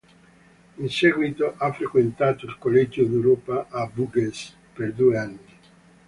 In seguito, ha frequentato il Collegio d'Europa a Bruges per due anni.